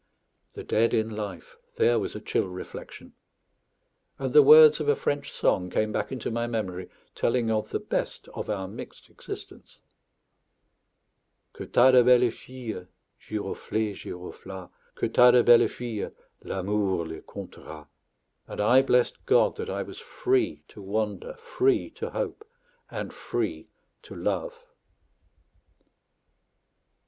The dead in life there was a chill reflection. And the words of a French song came back into my memory, telling of the best of our mixed existence: "Que t'as de belles filles, Giroflé! Girofla! Que t'as de belles filles, L'Amour les comptera!" And I blessed God that I was free to wander, free to hope, and free to love.